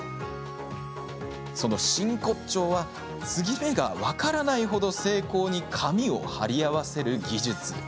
その真骨頂は継ぎ目が分からないほど精巧に紙を貼り合わせる技術。